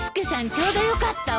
ちょうどよかったわ。